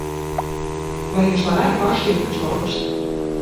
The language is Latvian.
Vai jūs varētu pāršķirt uz to lappusi?